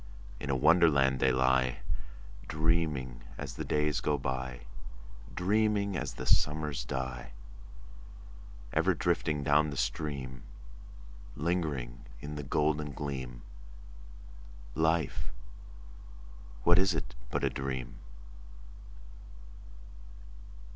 In a Wonderland they lie, Dreaming as the days go by, Dreaming as the summers die: Ever drifting down the stream— Lingering in the golden gleam— Life, what is it but a dream?